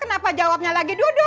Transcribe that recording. kenapa jawabnya lagi duduk emang lagi